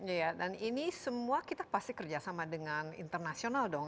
iya dan ini semua kita pasti kerjasama dengan internasional dong